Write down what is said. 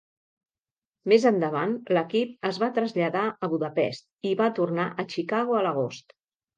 Més endavant, l'equip es va traslladar a Budapest i va tornar a Chicago a l'agost.